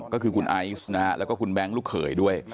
ก็คือคุณไอซ์นะฮะแล้วก็คุณแบงค์ลูกเขยด้วย